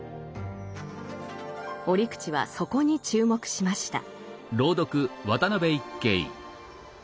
折口はそこに注目しました。